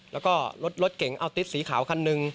แล้วก็รถเก๋งเอาติ๊ดสีขาว๑คัน